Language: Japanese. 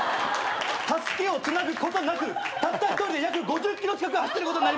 たすきをつなぐことなくたった一人で約５０ｋｍ近く走ってることになります！